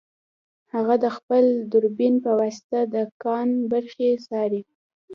هغه د خپل دوربین په واسطه د کان برخې څارلې